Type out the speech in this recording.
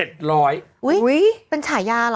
อุ้ยเป็นฉายาเหรอ